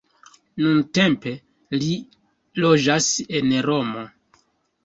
Nuntempe li loĝas en Romo.